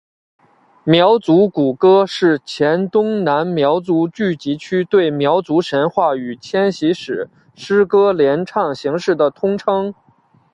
苗族古歌是黔东南苗族聚居区对苗族神话与迁徙史诗歌联唱形式的通称。